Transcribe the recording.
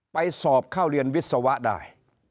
ไปสอบเข้าเรียนวิศวะได้